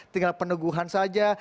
tinggal peneguhan saja